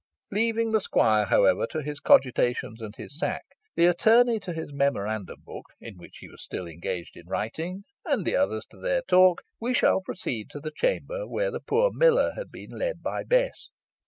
Leaving the squire, however, to his cogitations and his sack, the attorney to his memorandum book, in which he was still engaged in writing, and the others to their talk, we shall proceed to the chamber whither the poor miller had been led by Bess.